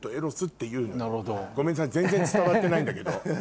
ごめんなさい全然伝わってないんだけど。